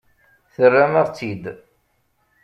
Terram-aɣ-tt-id.